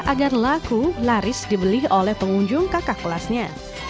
agar laku laris dibeli oleh pengunjung kakak kelasnya